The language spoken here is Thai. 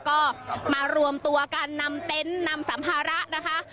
ก็มารวมตัวกันนำเต็นต์นำสัมภาระนะคะ